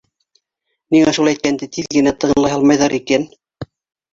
Ниңә шул әйткәнде тиҙ генә тыңлай һалмайҙар икән!